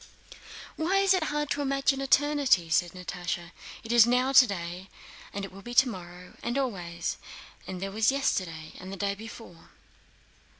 "Why is it hard to imagine eternity?" said Natásha. "It is now today, and it will be tomorrow, and always; and there was yesterday, and the day before...."